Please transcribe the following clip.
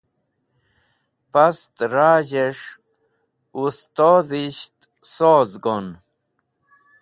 past razh'esh ustodisht soz gon